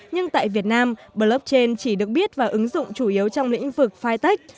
nhưng tại việt nam blockchain chỉ được biết và ứng dụng chủ yếu trong lĩnh vực phai tách